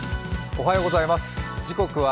おはようございます。